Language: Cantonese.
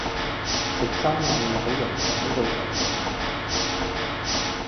食生冷野好容易搞到腸胃炎